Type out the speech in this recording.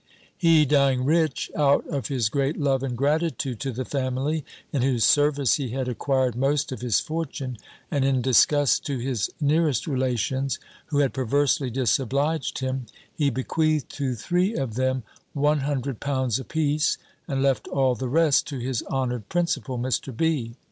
He dying rich, out of his great love and gratitude to the family, in whose service he had acquired most of his fortune, and in disgust to his nearest relations, who had perversely disobliged him; he bequeathed to three of them one hundred pounds a piece, and left all the rest to his honoured principal, Mr. B.